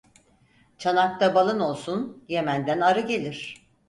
Çanakta balın olsun, Yemen'den arı gelir.